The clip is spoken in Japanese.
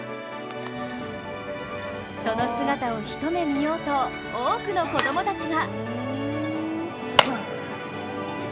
その姿を一目見ようと、多くの子供たちが。